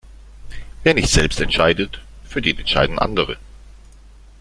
Wer nicht selbst entscheidet, für den entscheiden andere.